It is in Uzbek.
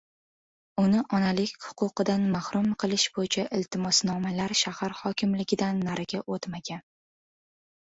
Uni onalik huquqidan mahrum qilish bo‘yicha iltimosnomalar shahar hokimligidan nariga o‘tmagan.